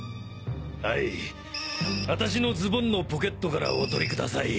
はい私のズボンのポケットからお取りください。